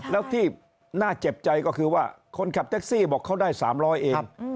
แล้วที่น่าเจ็บใจก็คือว่าคนขับแท็กซี่บอกเขาได้๓๐๐เอง